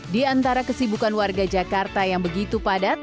di antara kesibukan warga jakarta yang begitu padat